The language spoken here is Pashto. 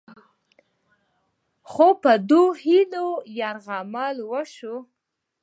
خو په دې هیلو یرغل وشو